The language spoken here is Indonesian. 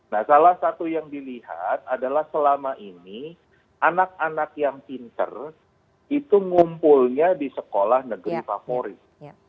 nah salah satu yang dilihat adalah selama ini anak anak yang pinter itu ngumpulnya di sekolah negeri favorit